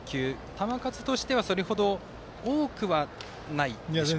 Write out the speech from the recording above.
球数としてはそれほど多くはないでしょうかね。